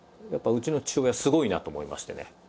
やっぱりうちの父親すごいなと思いましてね。